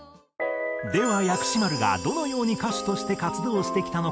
では薬師丸がどのように歌手として活動してきたのか？